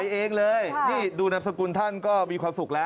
เองเลยนี่ดูนามสกุลท่านก็มีความสุขแล้ว